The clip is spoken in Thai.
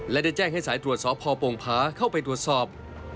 และได้แจ้งให้สายตรวจสอบพอโป่งผาเข้าไปตรวจสอบ